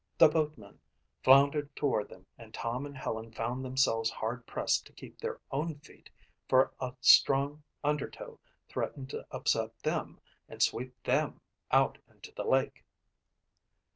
The boatman floundered toward them and Tom and Helen found themselves hard pressed to keep their own feet, for a strong undertow threatened to upset them and sweep them out into the lake.